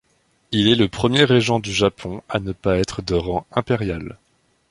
Il est le premier régent du Japon à ne pas être de rang impérial.